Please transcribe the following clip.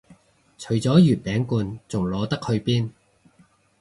除咗月餅罐仲擺得去邊